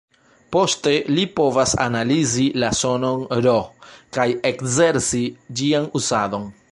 Poste li povas analizi la sonon "r", kaj ekzerci ĝian uzadon.